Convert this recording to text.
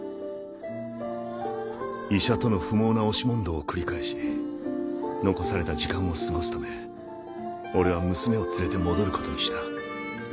医者との不毛な押し問答を繰り返し残された時間を過ごすため俺は娘を連れて戻ることにした。